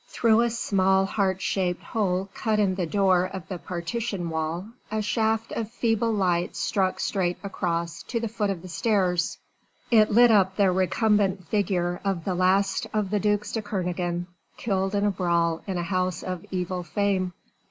Through a small heart shaped hole cut in the door of the partition wall, a shaft of feeble light struck straight across to the foot of the stairs: it lit up the recumbent figure of the last of the ducs de Kernogan, killed in a brawl in a house of evil fame.